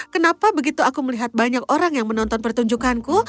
kenapa begitu aku melihat banyak orang yang menonton pertunjukanku